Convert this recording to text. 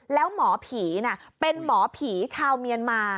แล้วหมอผีเป็นหมอผีชาวเมียนมา